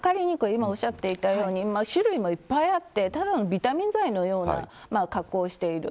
今、おっしゃっていたように種類もいっぱいあってただのビタミン剤のような格好をしている。